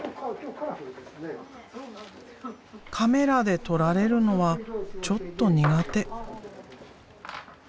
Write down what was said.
カメラで撮られるのはちょっと苦手。